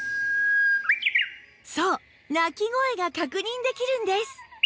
そう鳴き声が確認できるんです